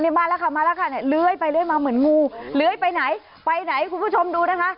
มาแล้วค่ะมาแล้วค่ะเนี่ยเลื้อยไปเลื้อยมาเหมือนงูเลื้อยไปไหนไปไหนคุณผู้ชมดูนะคะ